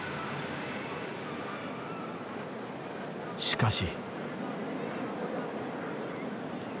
しかし。